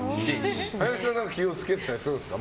林さんは気を付けてることはあるんですか？